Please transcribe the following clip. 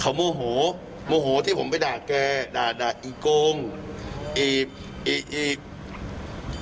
เขาโมโหโมโหที่ผมไปด่าแกด่าด่าอีโกงเอกอีกเอก